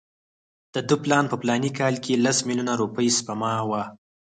د ده پلان په فلاني کال کې لس میلیونه روپۍ سپما وه.